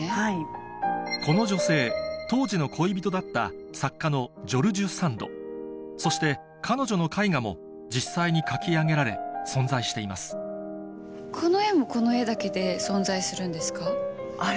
この女性当時の恋人だった作家のジョルジュ・サンドそして彼女の絵画も実際に描き上げられ存在していますなるほど！